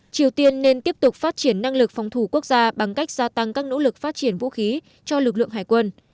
triều tiên nên tiếp tục phát triển năng lực phòng thủ quốc gia bằng cách gia tăng các nỗ lực phát triển vũ khí cho lực lượng hải quân